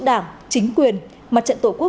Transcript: đảng chính quyền mặt trận tổ quốc